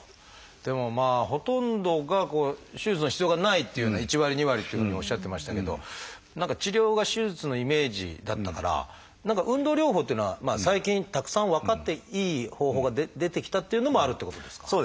でもほとんどが手術の必要がないっていうふうな１割２割っていうふうにおっしゃってましたけど何か治療が手術のイメージだったから何か運動療法っていうのは最近たくさん分かっていい方法が出てきたっていうのもあるっていうことですか？